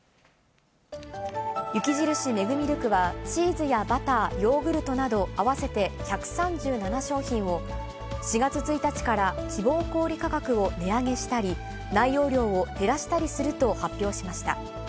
雪印メグミルクは、チーズやバター、ヨーグルトなど、合わせて１３７商品を、４月１日から希望小売り価格を値上げしたり、内容量を減らしたりすると発表しました。